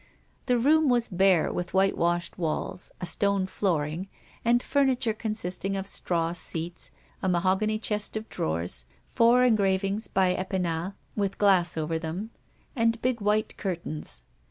The room was bare, with whitewashed walls, a stone flooring, and furniture consisting of straw seats, a mahogany chest of drawers, four engravings by Epinal with glass over them, and big white curtains.